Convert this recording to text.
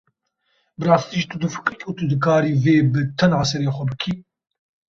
Bi rastî jî tu difikirî ku tu dikarî vê bi tena serê xwe bikî?